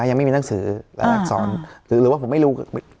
ยังไม่มีหนังสือและอักษรหรือว่าผมไม่รู้